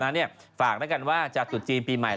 นั่นเนี่ยฝากด้วยกันว่าจจุดจีนปีใหม่